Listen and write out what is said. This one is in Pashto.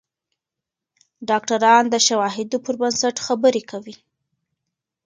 ډاکتران د شواهدو پر بنسټ خبرې کوي.